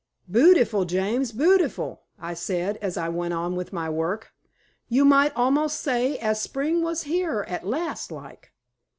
"Bootiful, James, bootiful," I said, as I went on with my work. "You might almost say as Spring was here at last, like."